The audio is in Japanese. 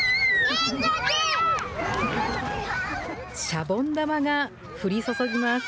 シャボン玉が降り注ぎます。